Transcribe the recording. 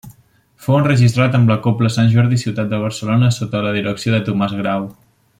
Fou enregistrat amb la Cobla Sant Jordi-Ciutat de Barcelona sota la direcció de Tomàs Grau.